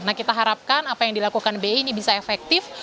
nah kita harapkan apa yang dilakukan bi ini bisa efektif